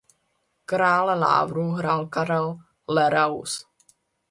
Krále Lávru hrál Karel Leraus.